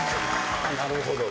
なるほど。